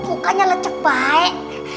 kok mukanya lecek baik